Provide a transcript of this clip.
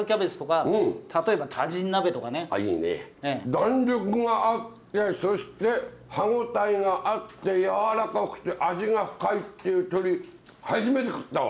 弾力があってそして歯応えがあってやわらかくて味が深いっていう鶏初めて食ったわ！